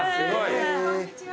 こんにちは。